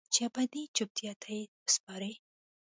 چې ابدي چوپتیا ته یې وسپارئ